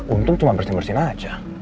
untung cuma bersin bersin aja